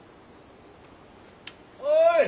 ・おい！